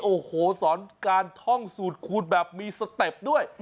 โอ้โหสอนการท่องสูตรคูณแบบมีสเต็ปด้วย